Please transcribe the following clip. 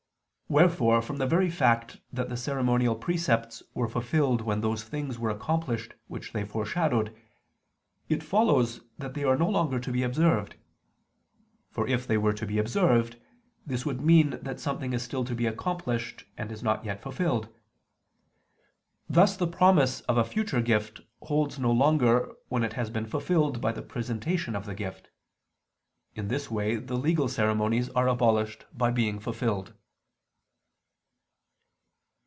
Wherefore from the very fact that the ceremonial precepts were fulfilled when those things were accomplished which they foreshadowed, it follows that they are no longer to be observed: for if they were to be observed, this would mean that something is still to be accomplished and is not yet fulfilled. Thus the promise of a future gift holds no longer when it has been fulfilled by the presentation of the gift. In this way the legal ceremonies are abolished by being fulfilled.